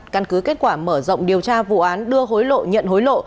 căn cứ kết quả mở rộng điều tra vụ án đưa hối lộ nhận hối lộ